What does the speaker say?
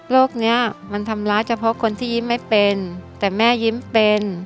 นี้มันทำร้ายเฉพาะคนที่ยิ้มไม่เป็นแต่แม่ยิ้มเป็น